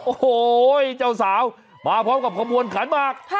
โอ้โหเจ้าสาวมาพร้อมกับขบวนขันหมาก